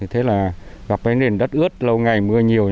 thế là gặp với nền đất ướt lâu ngày mưa nhiều